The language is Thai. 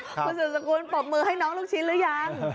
คุณสุสคุณปรบมือให้น้องลูกชินะรึยัง